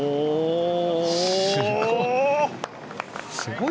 すごい。